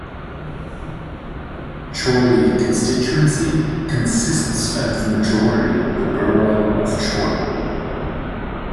Chorley constituency consists of the majority of the borough of Chorley.